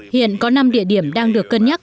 hiện có năm địa điểm đang được cân nhắc